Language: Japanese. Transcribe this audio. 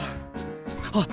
あっ！